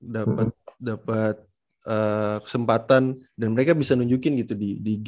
dapat kesempatan dan mereka bisa nunjukin gitu di game lawan ran sini ya